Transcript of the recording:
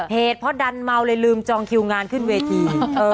เหตุเพราะดันเมาเลยลืมจองคิวงานขึ้นเวที